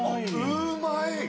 うまい！